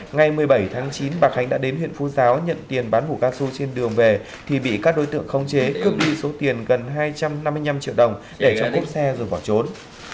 ngày một mươi bảy tháng chín bà khánh đã đến huyện phú giáo nhận tiền bán hủ cao su trên đường về thì bị các đối tượng không chế cướp đi số tiền gần hai trăm năm mươi năm triệu đồng để trộm cốp xe rồi bỏ trốn